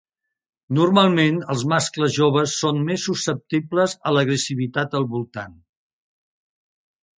Normalment, els mascles joves són més susceptibles a l'agressivitat al volant.